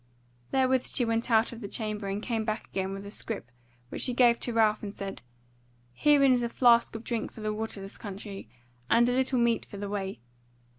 Therewith she went out of the chamber and came back again with a scrip which she gave to Ralph and said: "Herein is a flask of drink for the waterless country, and a little meat for the way.